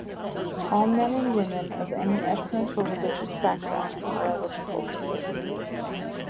All men and women of any ethnic or religious background are eligible to vote.